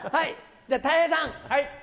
じゃあたい平さん。